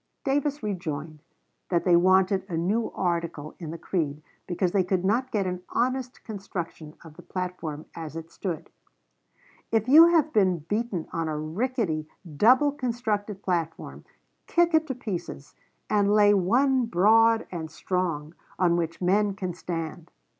Davis rejoined, that they wanted a new article in the creed because they could not get an honest construction of the platform as it stood. "If you have been beaten on a rickety, double construed platform, kick it to pieces, and lay one broad and strong, on which men can stand."